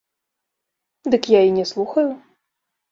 Дык я і не слухаю.